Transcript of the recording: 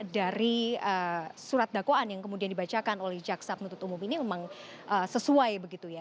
dari surat dakwaan yang kemudian dibacakan oleh jaksa penuntut umum ini memang sesuai begitu ya